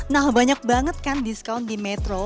nah banyak banget kan diskon di metro